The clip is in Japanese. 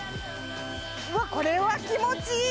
うわこれは気持ちいい！